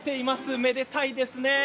めでたいですね。